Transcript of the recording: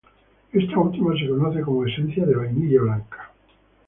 Esta última se conoce como "esencia de vainilla blanca".